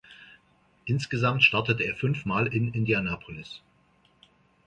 Insgesamt startete er fünf Mal in Indianapolis.